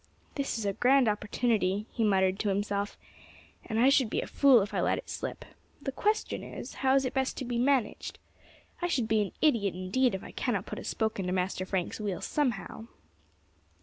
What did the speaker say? "This is a grand opportunity," he muttered to himself, "and I should be a fool if I let it slip. The question is, how is it best to be managed. I should be an idiot indeed if I cannot put a spoke into Master Frank's wheel somehow."